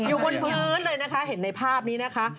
อยู่บนพื้นเลยนะคะเห็นในภาพนี้นะคะ